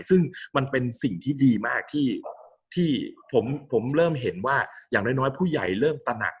ซึ่งมันเป็นสิ่งที่ดีมากที่ผมเริ่มเห็นว่าอย่างน้อยผู้ใหญ่เริ่มตระหนัก